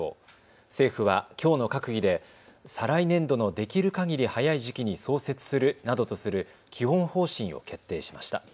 政府はきょうの閣議で再来年度のできるかぎり早い時期に創設するなどとする基本方針を決定しました。